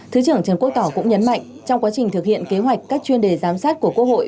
thứ trưởng trần quốc tỏ cũng nhấn mạnh trong quá trình thực hiện kế hoạch các chuyên đề giám sát của quốc hội